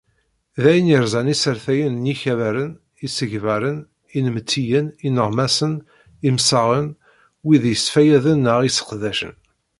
D ayen yerzan isertayen n yikabaren, isegbaren inmettiyen, ineɣmasen, imsaɣen, wid yesfayaden neɣ iseqdacen.